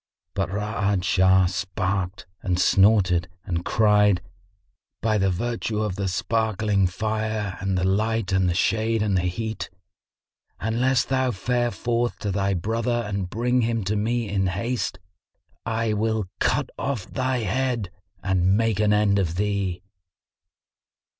But Ra'ad Shah snarked and snorted and cried, "By the virtue of the sparkling Fire and the light and the shade and the heat, unless thou fare forth to thy brother and bring him to me in haste, I will cut off thy head and make an end of thee."